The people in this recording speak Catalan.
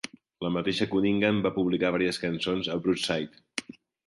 La mateixa Cunningham va publicar vàries cançons a "Broadside".